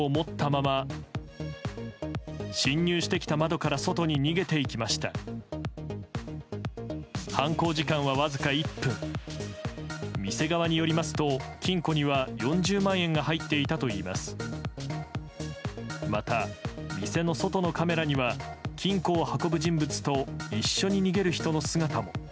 また、店の外のカメラには金庫を運ぶ人物と一緒に逃げる人の姿も。